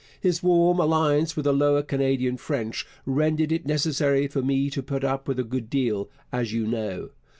His warm alliance with the Lower Canadian French rendered it necessary for me to put up with a good deal, as you know.